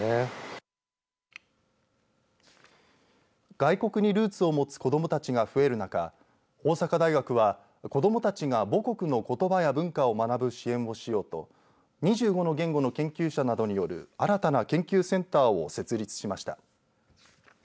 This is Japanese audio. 外国にルーツを持つ子どもたちが増える中大阪大学は子どもたちが母国のことばや文化を学ぶ支援をしようと２５の言語の研究者などによる新たな研究センターを設立しました。